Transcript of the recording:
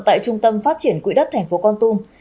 tại trung tâm phát triển quỹ đất thành phố con tum